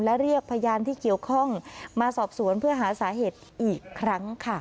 และเรียกพยานที่เกี่ยวข้องมาสอบสวนเพื่อหาสาเหตุอีกครั้งค่ะ